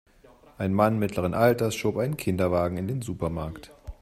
Ein Mann mittleren Alters schob einen Kinderwagen in den Supermarkt.